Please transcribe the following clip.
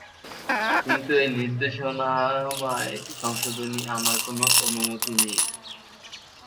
কিন্তু এই নির্দেশনামায় সংশোধনী আনার কোনো অনুমতি নেই।